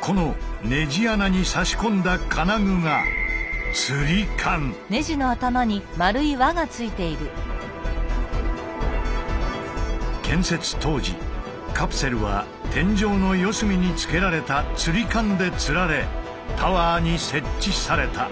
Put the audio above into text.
このネジ穴に差し込んだ金具が建設当時カプセルは天井の四隅につけられた吊り環で吊られタワーに設置された。